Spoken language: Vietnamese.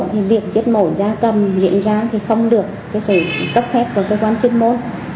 thì việc chết mổ ra cầm hiện ra thì không được cấp phép của cơ quan chuyên môn